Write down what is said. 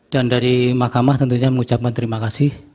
dan dari mahkamah tentunya mengucapkan terima kasih